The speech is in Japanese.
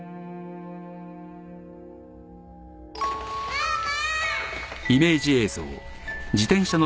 ママ！